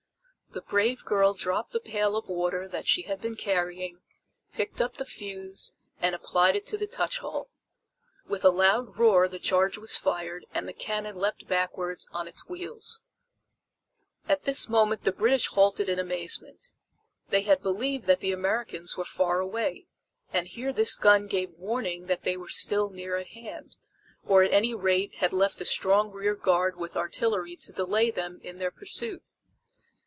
The brave girl dropped the pail of water that she had been carrying, picked up the fuse and applied it to the touch hole. With a loud roar the charge was fired and the cannon leaped backward on its wheels. At this the British halted in amazement. They had believed that the Americans were far away, and here this gun gave warning that they were still near at hand, or at any rate had left a strong rear guard with artillery to delay them in their pursuit.